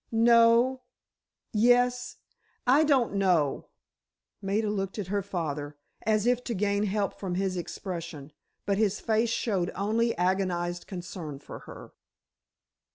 "No—yes—I don't know." Maida looked at her father, as if to gain help from his expression, but his face showed only agonized concern for her.